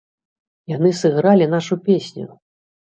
Яны сыгралі нашу песню!